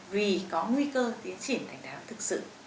vì có nguy cơ tiến triển thành đáy áo đường thực sự